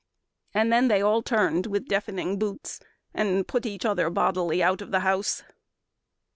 And then they all turned to with deafening boots And put each other bodily out of the house.